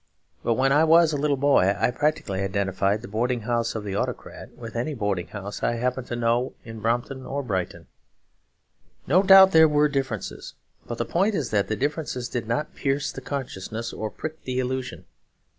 But when I was a boy I practically identified the boarding house of the Autocrat with any boarding house I happened to know in Brompton or Brighton. No doubt there were differences; but the point is that the differences did not pierce the consciousness or prick the illusion.